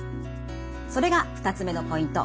それが２つ目のポイント